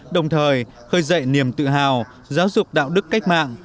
đồng thời khơi dậy niềm tự hào giáo dục đạo đức cách mạng